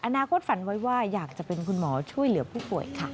คตฝันไว้ว่าอยากจะเป็นคุณหมอช่วยเหลือผู้ป่วยค่ะ